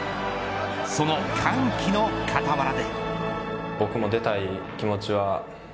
その歓喜のかたわらで。